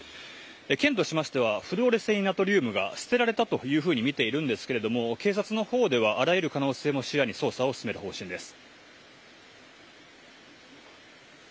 県としましてはフルオレセインナトリウムが捨てられたというふうにみているんですけれども警察のほうではあらゆる可能性も視野に、捜査を進める方針です。